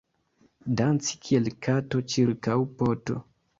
Danci kiel kato ĉirkaŭ poto.